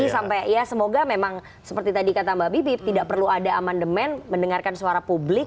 sampai ya semoga memang seperti tadi kata mbak bibip tidak perlu ada amandemen mendengarkan suara publik